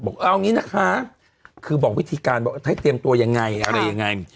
เอางี้นะคะคือบอกวิธีการบอกให้เตรียมตัวยังไงอะไรยังไง